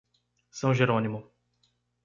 São Jerônimo